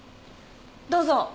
どうぞ。